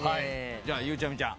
ではゆうちゃみちゃん。